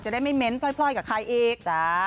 จะได้ไม่เม้นต์พลอยกับใครอีก